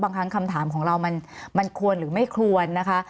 ครั้งคำถามของเรามันควรหรือไม่ควรนะคะ